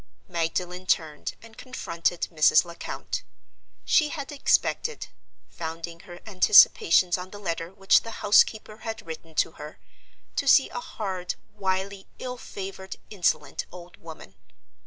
Magdalen turned, and confronted Mrs. Lecount. She had expected—founding her anticipations on the letter which the housekeeper had written to her—to see a hard, wily, ill favored, insolent old woman.